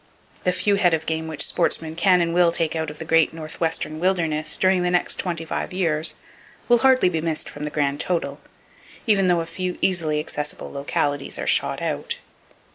The few head of game which sportsmen can and will take out of the great northwestern wilderness during the next twenty five years will hardly be missed from the grand total, even though a few easily accessible localities are shot out.